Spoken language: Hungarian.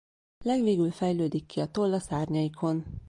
Legvégül fejlődik ki a toll a szárnyaikon.